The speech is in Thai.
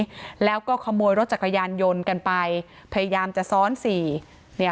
แล้วก็ขโมยรถจักรยานยนต์กันไปพยายามจะซ้อนสี่เนี่ย